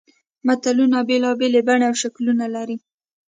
متلونه بېلابېلې بڼې او شکلونه لري